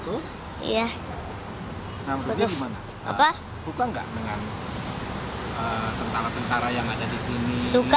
nah rubia gimana apa suka nggak dengan tentara tentara yang ada di sini suka